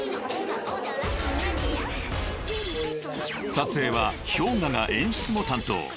［撮影はＨｙＯｇＡが演出も担当］